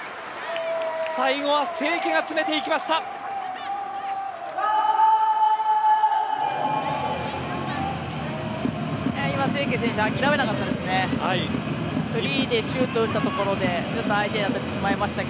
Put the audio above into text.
最後は清家が詰めていきました。